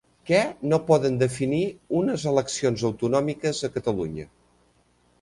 Què no poden definir unes eleccions autonòmiques a Catalunya?